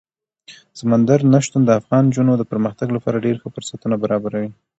سمندر نه شتون د افغان نجونو د پرمختګ لپاره ډېر ښه فرصتونه برابروي.